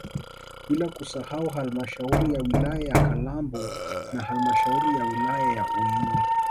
Bila kusahau halmashauri ya wilaya ya Kalambo na halmashauri ya wilaya ya Uyui